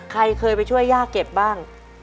ใครเคยไปช่วยย่าเก็บบ้าง